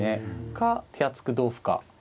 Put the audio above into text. か手厚く同歩か。